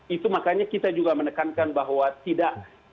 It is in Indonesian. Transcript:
itu makanya kita juga menekankan bahwa tidak